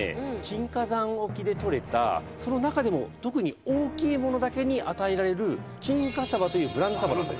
金華山沖で獲れたその中でも特に大きいものだけに与えられる金華さばというブランドさばなんです。